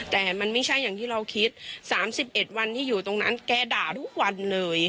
แต่มันไม่ใช่อย่างที่เราคิด๓๑วันที่อยู่ตรงนั้นแกด่าทุกวันเลย